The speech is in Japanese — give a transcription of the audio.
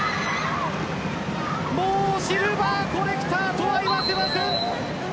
もうシルバーコレクターとは言わせません。